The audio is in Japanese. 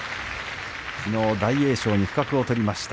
きのう大栄翔に不覚を取りました。